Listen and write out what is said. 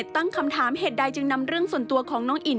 ตั้งคำถามเหตุใดจึงนำเรื่องส่วนตัวของน้องอิน